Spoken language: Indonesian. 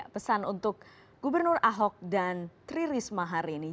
pesan untuk gubernur ahok dan tri risma hari ini